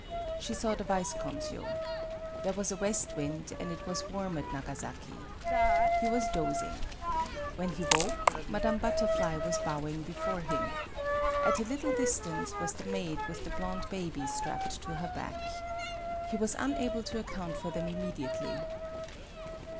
She saw the vice consul. There was a west wind, and it was warm at Nagasaki. He was dozing. When 46 MADAME BUTTERFLY he woke, Madame Butterfly was bowing before him. At a little distance was the maid with the blond baby strapped to her back. He was unable to account for them imme diately.